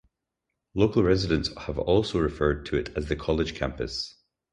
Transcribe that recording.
Local residents have also referred to it as the college campus.